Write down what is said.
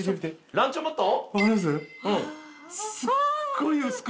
ランチョンマット？